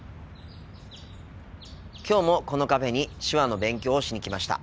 きょうもこのカフェに手話の勉強をしに来ました。